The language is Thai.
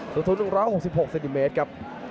สูง๑๖๖เซนติเมตรครับ